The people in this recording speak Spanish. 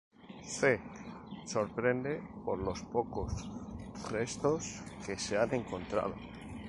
C, sorprende por los pocos restos que se han encontrado.